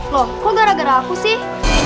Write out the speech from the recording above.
loh kok gara gara aku sih